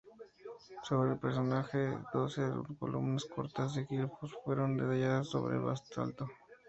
Sobre el personaje, doce columnas cortas de glifos fueron talladas sobre el basalto.